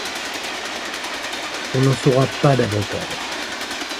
On n'en saura pas davantage.